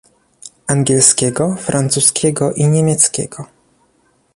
angielskiego, francuskiego i niemieckiego